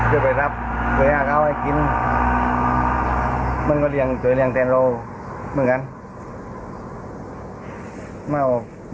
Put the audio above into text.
เกิดไปรับเดี๋ยวอยากเอาให้กินมันก็เรียงเดี๋ยวเรียงเต็มโลเหมือนกัน